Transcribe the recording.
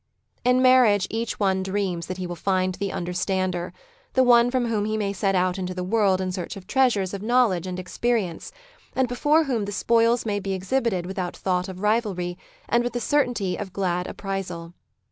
In marriage each one dreams that he will find the Understander — the one from whom he may set out into the world in search of treasures of knowledge and experience, and before whom the spoils may be exhibited without thought of rivalry, and with the certainty of glad apprisal.